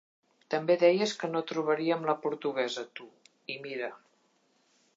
També deies que no trobaríem la portuguesa, tu, i mira!